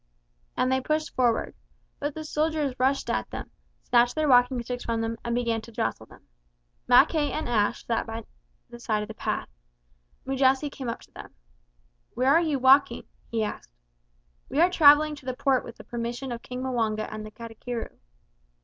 And they pushed forward. But the soldiers rushed at them; snatched their walking sticks from them and began to jostle them. Mackay and Ashe sat down by the side of the path. Mujasi came up to them. "Where are you walking?" he asked. "We are travelling to the port with the permission of King M'wanga and the Katikiro."